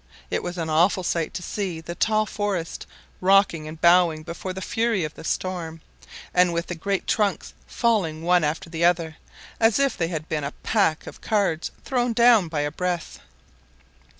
It was an awful sight to see the tall forest rocking and bowing before the fury of the storm, and with the great trunks falling one after the other, as if they had been a pack of cards thrown down by a breath.